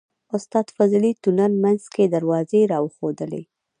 استاد فضلي تونل منځ کې دروازې راوښودلې.